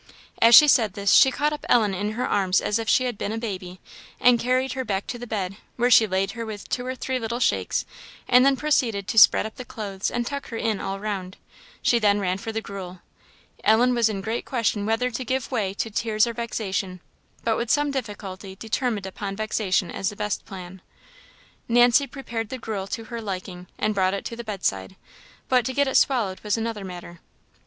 As she said this, she caught up Ellen in her arms as if she had been a baby, and carried her back to the bed, where she laid her with two or three little shakes, and then proceeded to spread up the clothes and tuck her in all round. She then ran for the gruel. Ellen was in great question whether to give way to tears or vexation; but with some difficulty determined upon vexation as the best plan. Nancy prepared the gruel to her liking, and brought it to the bedside; but to get it swallowed was another matter.